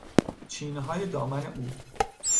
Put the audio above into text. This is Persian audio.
چینهای دامن او